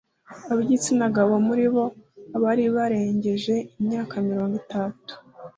ab igitsina gabo muribo abari barengeje imyaka mirongo itatu